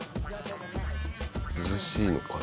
涼しいのかな？